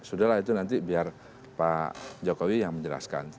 sudahlah itu nanti biar pak jokowi yang menjelaskan